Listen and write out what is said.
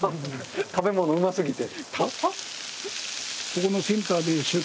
食べ物うますぎて？